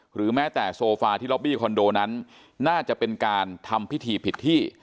หรือแม้แต่โซฟาที่ล็อบบี้คอนโดนั้นน่าจะเป็นการทำพิธีผิดที่